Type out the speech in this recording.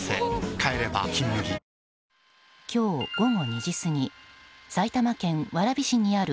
帰れば「金麦」今日午後２時過ぎ埼玉県蕨市にある